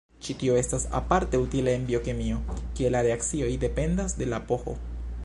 Ĉi tio estas aparte utila en biokemio, kie la reakcioj dependas de la pH.